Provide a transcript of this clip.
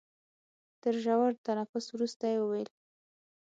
تر ژور تنفس وروسته يې وويل.